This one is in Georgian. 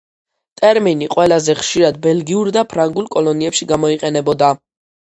ტერმინი ყველაზე ხშირად ბელგიურ და ფრანგულ კოლონიებში გამოიყენებოდა.